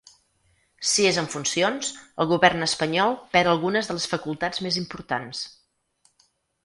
Si és en funcions, el govern espanyol perd algunes de les facultats més importants.